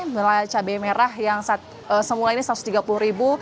mulai cabai merah yang semula ini rp satu ratus tiga puluh